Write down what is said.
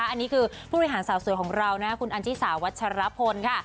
อันนี้คือผู้บริหารสาวสวยของเรานะคุณอันจิสาวัชรพลค่ะ